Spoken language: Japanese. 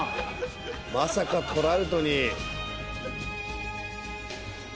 まさかトラウトに。